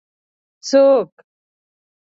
څوک